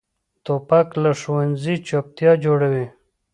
توپک له ښوونځي چپتیا جوړوي.